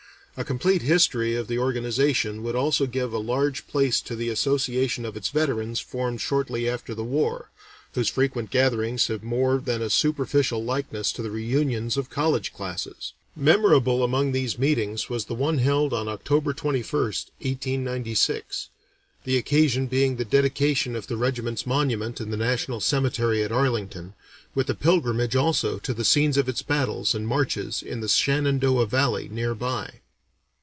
A complete history of the organization would also give a large place to the association of its veterans formed shortly after the war, whose frequent gatherings have more than a superficial likeness to the reunions of college classes. Memorable among these meetings was the one held on October 21, 1896, the occasion being the dedication of the regiment's monument in the National Cemetery at Arlington, with a pilgrimage also to the scenes of its battles and marches in the Shenandoah Valley near by.